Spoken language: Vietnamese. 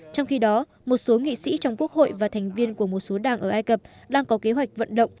trong khi đó một số nghị sĩ trong quốc hội và thành viên của một số đảng ở ai cập đang có kế hoạch vận động